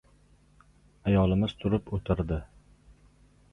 Ayolimiz turib o‘tirdi.